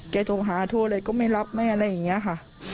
แกโทษหาโทษเลยก็ไม่รับแม่อะไรอย่างนี้ค่ะ